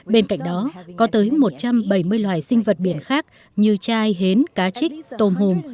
bên cạnh đó có tới một trăm bảy mươi loài sinh vật biển khác như chai hến cá trích tôm hùm